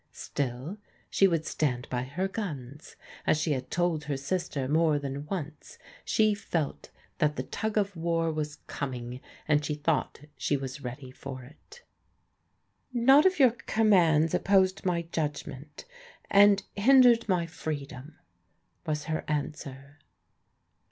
Still she would stand by her guns. As she had told her sister more than once, she felt that the tug of war was coming, and she thought she was ready for it. " Not if your commands opposed my judgment, and hindered my freedom," was her answer.